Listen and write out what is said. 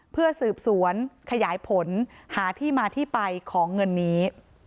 เพื่อสืบสวนขยายผลหาที่มาที่ไปของเงินนี้